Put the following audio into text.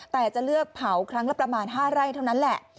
แต่จะเลือกเผาครั้งละประมาณ๕ไร่เท่านั้นแหละ